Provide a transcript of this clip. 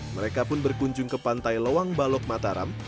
mereka pun berkunjung ke pantai loang balok mataram